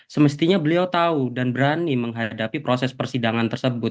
semestinya beliau tahu dan berani menghadapi proses persidangan tersebut